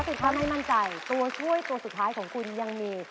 สิทธิ์ข้าวไม่มั่นใจตัวช่วยตัวสุดท้ายของคุณยังมี